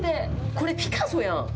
これピカソやん。